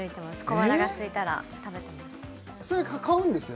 小腹がすいたら食べてます